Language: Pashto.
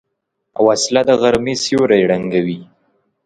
وسله د غرمې سیوری ړنګوي